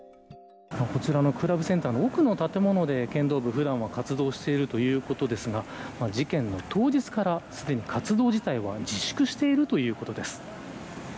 こちらのクラブセンターの奥の建物で剣道部は活動しているということですが事件の当日から、活動自体はすでに自粛しているということです。